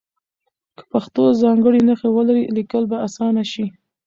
که پښتو ځانګړې نښې ولري لیکل به اسانه شي.